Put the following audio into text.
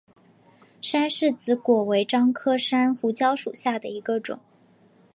山柿子果为樟科山胡椒属下的一个种。